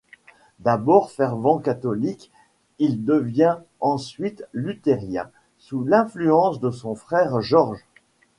D'abord fervent catholique, il devient ensuite luthérien sous l'influence de son frère Georges.